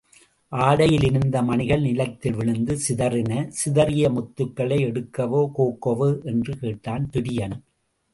ஆடையில் இருந்த மணிகள் நிலத்தில்விழுந்து சிதறின சிதறிய முத்துக்களை எடுக்கவோ கோக்கவோ என்று கேட்டான் துரியன்.